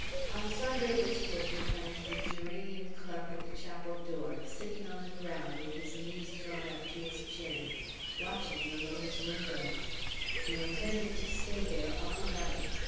Alessandro was hid behind the geranium clump at the chapel door; sitting on the ground, with his knees drawn up to his chin, watching Ramona's window. He intended to stay there all night.